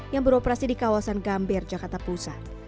yang beroperasi di kawasan gambir jakarta pusat